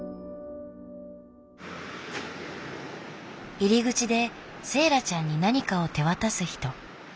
入り口でセーラちゃんに何かを手渡す人。